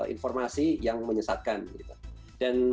informasi yang menyesatkan